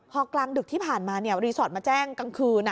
พอกลางดึกที่ผ่านมารีสอร์ทมาแจ้งกลางคืน